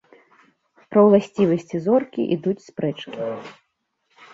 Пра ўласцівасці зоркі ідуць спрэчкі.